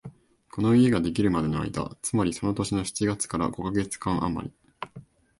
この家ができるまでの間、つまりその年の七月から五カ月間あまり、